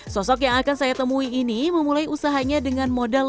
sosok yang akan saya temui ini memulai usahanya dengan modal